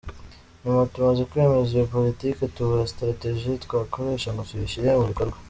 Nyuma tumaze kwemeza iyo politique tubura stratégie twakoresha ngo tuyishyire mu bikorwa.